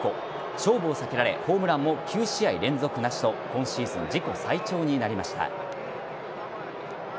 勝負を避けられホームランも９試合連続なしと今シーズン自己最長になりました。